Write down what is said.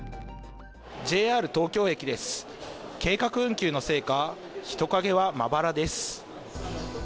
ＪＲ東京駅です、計画運休のせいか人影はまばらです。